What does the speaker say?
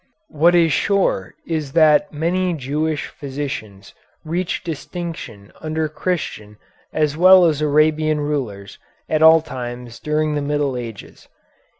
What is sure is that many Jewish physicians reached distinction under Christian as well as Arabian rulers at all times during the Middle Ages.